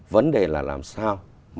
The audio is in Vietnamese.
vấn đề là làm sao